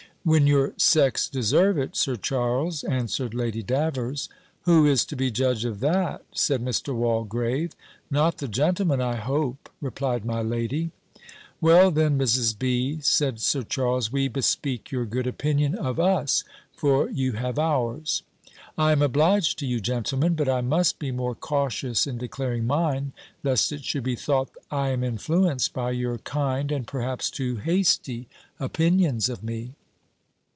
"When your sex deserve it, Sir Charles," answered Lady Davers. "Who is to be judge of that?" said Mr. Walgrave. "Not the gentlemen, I hope," replied my lady. "Well then, Mrs. B.," said Sir Charles, "we bespeak your good opinion of us; for you have ours." "I am obliged to you, gentlemen; but I must be more cautious in declaring mine, lest it should be thought I am influenced by your kind, and perhaps too hasty, opinions of me."